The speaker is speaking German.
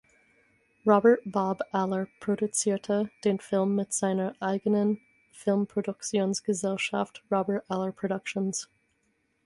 Robert „Bob“ Aller produzierte den Film mit seiner eigenen Filmproduktionsgesellschaft "Robert Aller Productions".